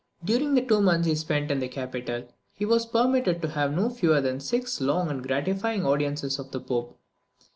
During the two months which he spent in the capital he was permitted to have no fewer than six long and gratifying audiences of the Pope.